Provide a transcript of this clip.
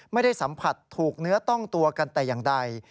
ไม่ได้สัมผัสถูกเนื้อต้องตัวกันแต่อย่างใด